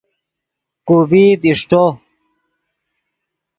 کو ڤئیت اݰٹو